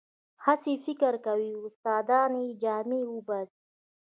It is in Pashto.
هسې فکر کوي استادان یې جامې وباسي.